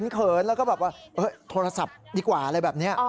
เขินแล้วก็แบบว่าโทรศัพท์ดีกว่าอะไรแบบนี้